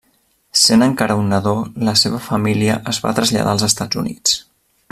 Sent encara un nadó, la seva família es va traslladar als Estats Units.